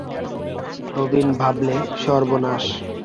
নবীন ভাবলে, সর্বনাশ।